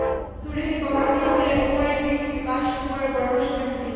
দুর্নীতি কমাতে হলে ওপরের দিক থেকে কাজ শুরু করার পরামর্শ দেন তিনি।